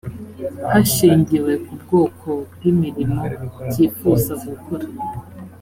hashingiwe ku bwoko bw imirimo cyifuza gukora